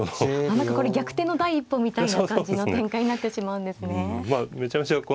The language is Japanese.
何かこれ逆転の第一歩みたいな感じの展開になってしまうんですね。